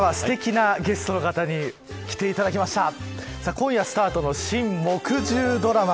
今夜スタートの新、木１０ドラマ